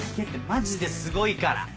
マジですごいから！